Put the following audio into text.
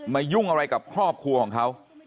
ยุ่งอะไรกับครอบครัวของเขา